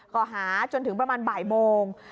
ก็หาจนถึงประมาณบ่ายโมง